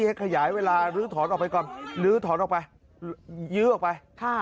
ขยายเวลาลื้อถอนออกไปก่อนลื้อถอนออกไปยื้อออกไป